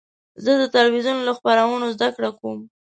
زه د تلویزیون له خپرونو زده کړه کوم.